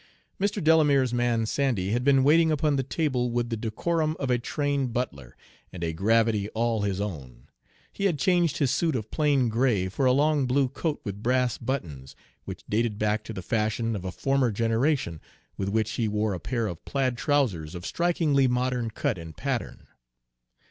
Mr. Delamere's man Sandy had been waiting upon the table with the decorum of a trained butler, and a gravity all his own. He had changed his suit of plain gray for a long blue coat with brass buttons, which dated back to the fashion of a former generation, with which he wore a pair of plaid trousers of strikingly modern cut and pattern.